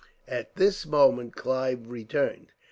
At this moment, Clive returned.